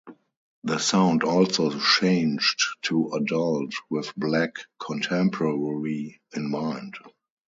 The sound also changed to adult with black contemporary in mind.